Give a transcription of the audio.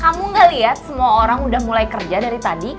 kamu gak lihat semua orang udah mulai kerja dari tadi